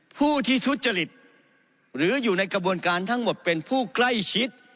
ผู้ที่ทุจริตหรืออยู่ในกระบวนการทั้งหมดเป็นผู้ใกล้ชิด